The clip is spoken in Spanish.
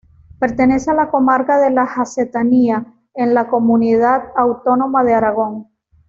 Pertenece a la comarca de la Jacetania, en la comunidad autónoma de Aragón.